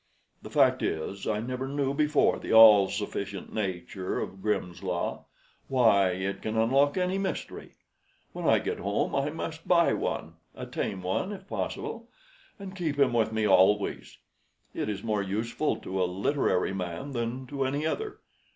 The fact is, I never knew before the all sufficient nature of Grimm's Law. Why, it can unlock any mystery! When I get home I must buy one a tame one, if possible and keep him with me always. It is more useful to a literary man than to any other.